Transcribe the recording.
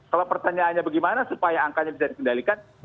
kalau pertanyaannya bagaimana supaya angkanya bisa dikendalikan